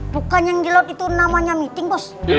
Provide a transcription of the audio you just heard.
bukan yang di laut itu namanya meeting pos